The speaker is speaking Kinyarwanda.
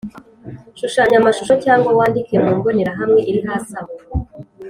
shushanya amashusho cyangwa wandike mu mbonerahamwe iri hasi aho